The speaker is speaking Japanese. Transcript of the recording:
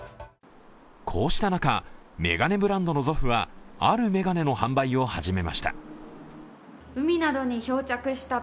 こうした中、眼鏡ブランドのＺｏｆｆはある眼鏡の販売を始めました。